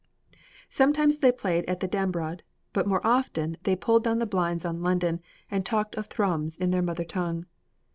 Sometimes they played at the dambrod, but more often they pulled down the blinds on London and talked of Thrums in their mother tongue.